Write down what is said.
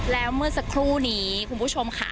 แล้วเมื่อสักครู่นี้คุณผู้ชมค่ะ